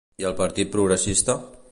I el Partit Progressista?